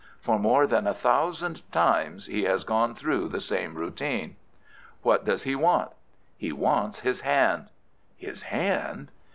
For more than a thousand times he has gone through the same routine." "What does he want?" "He wants his hand." "His hand?"